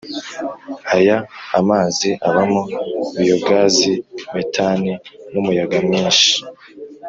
Aya amazi abamo biyogazi metani n umuyaga mwinshi